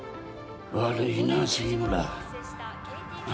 悪いな杉村あ